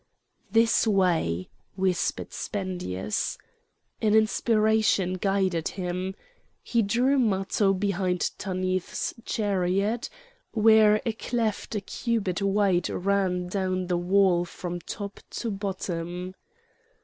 "This way!" whispered Spendius. An inspiration guided him. He drew Matho behind Tanith's chariot, where a cleft a cubit wide ran down the wall from top to bottom.